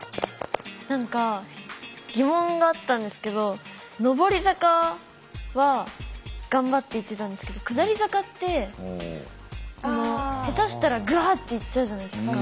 何か疑問があったんですけど上り坂は頑張っていってたんですけど下り坂って下手したらぐわって行っちゃうじゃないですか。